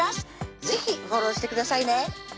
是非フォローしてくださいね